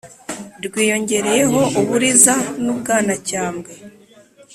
rwiyongereyeho u buriza n'u bwanacyambwe.